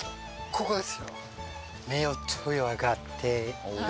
ここですよ。